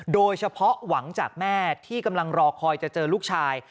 โดยเฉพาะหวังจากแม่ที่กำลังรอคอยจะเจอลูกชาย